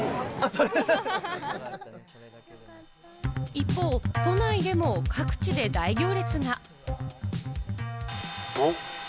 一方、都内でも各地で大行列が。